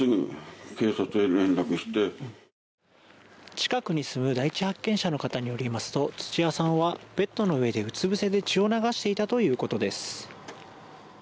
近くに住む第一発見者の方によりますと土屋さんはベッドの上でうつぶせで血を流していたということです。